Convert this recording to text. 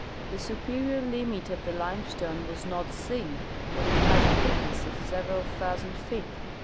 The superior limit of the lime stone was not seen, but it has a thickness of several thousand feet.